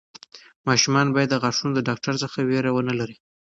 ماشومان باید د غاښونو د ډاکټر څخه وېره ونه لري.